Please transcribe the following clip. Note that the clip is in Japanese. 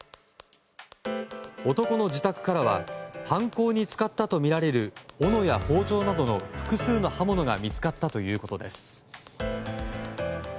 男の自宅からは犯行に使ったとみられるおのや包丁などの複数の刃物が見つかったということです。